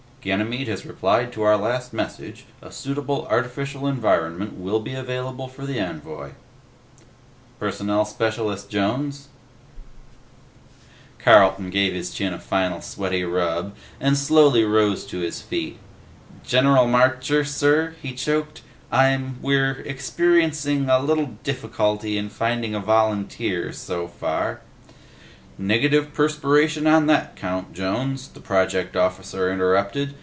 "Ganymede has replied to our last message; a suitable artificial environment will be available for the envoy." "Personnel Specialist Jones?" Carlton gave his chin a final sweaty rub and slowly rose to his feet. "General Marcher, sir," he choked, "I'm ... we're ... experiencing a little difficulty finding a volunteer, so far " "Negative perspiration on that count, Jones," the Project Officer interrupted.